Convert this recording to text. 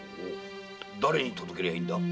誰に届けりゃいいんだ？